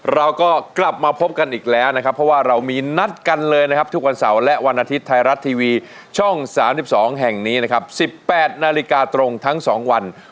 ร้องได้ให้ล้านนักสู้ชิงล้าน